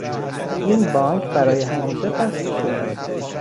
این بانک برای همیشه بسته شده است.